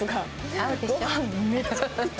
合うでしょ？